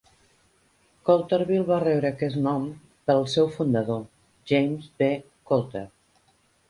Coulterville va rebre aquest nom pel seu fundador, James B. Coulter.